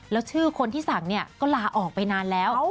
แล้วชื่อคนที่สั่งเนี่ยก็ลาออกไปนานแล้ว